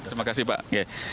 terima kasih pak